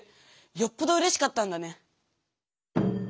よっぽどうれしかったんだね。